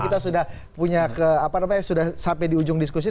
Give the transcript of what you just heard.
kita sudah sampai di ujung diskusi